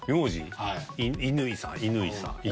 乾さん乾さん乾。